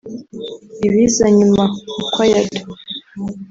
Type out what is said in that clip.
Ibiza nyuma (acquired)